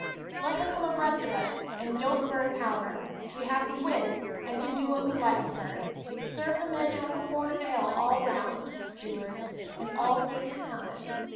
"Let her come abreast of us, and don't burn powder. We have the wind, and can do what we like with her. Serve the men out a horn of ale all round, steward, and all take your time."